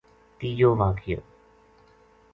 تیجو واقعو